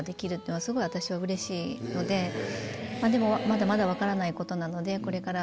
でもまだまだ分からないことなのでこれから。